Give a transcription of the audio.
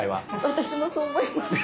私もそう思います。